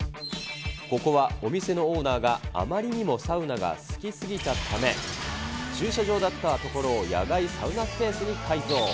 ここはお店のオーナーがあまりにもサウナが好き過ぎたため、駐車場だったところを野外サウナスペースに改造。